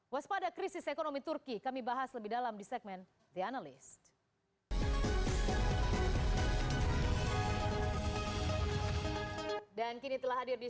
waspada krisis ekonomi turki kami bahas lebih dalam di segmen the analyst